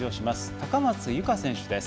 高松佑圭選手です。